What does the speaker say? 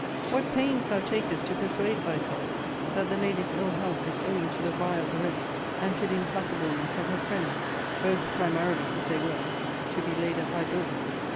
What pains thou takest to persuade thyself, that the lady's ill health is owing to the vile arrest, and to the implacableness of her friends. Both primarily (if they were) to be laid at thy door.